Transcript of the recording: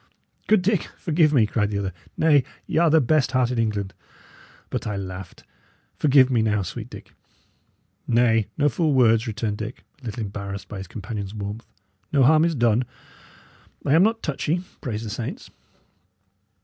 "Good Dick, forgive me," cried the other. "Nay, y' are the best heart in England; I but laughed. Forgive me now, sweet Dick." "Nay, no fool words," returned Dick, a little embarrassed by his companion's warmth. "No harm is done. I am not touchy, praise the saints."